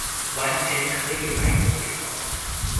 完全可以來工寮